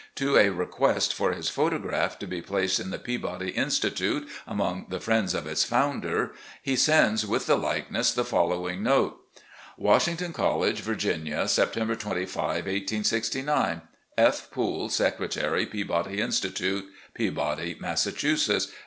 To a request for his photograph to be placed in the Peabody Institute among the friends of its founder, he sends with the likeness the following note: "Washington College, Viiginia, September 25, 1869. "F. Poole, Secretary Peabody Institute, "Peabody, Massachusetts.